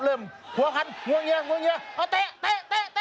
เริ่มหัวคันหัวเงียงหัวเงียงอ้าวเตะเตะเตะเตะอ้าว